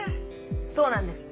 そうなんです。